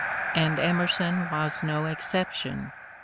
And Emerson was no exception.